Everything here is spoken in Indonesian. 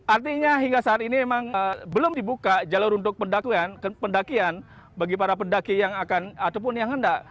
artinya hingga saat ini memang belum dibuka jalur untuk pendakian bagi para pendaki yang akan ataupun yang hendak